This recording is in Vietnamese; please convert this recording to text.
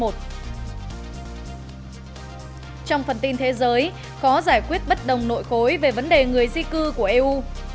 trong phần tin thế giới có giải quyết bất đồng nội cối về vấn đề người di cư của eu